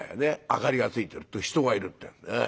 明かりがついてると人がいるってんで。